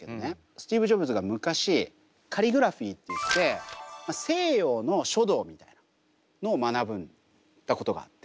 スティーブ・ジョブズが昔カリグラフィーっていって西洋の書道みたいなのを学んだことがあって。